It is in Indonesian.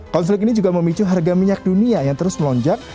konflik ini juga memicu harga minyak dunia yang terus melonjak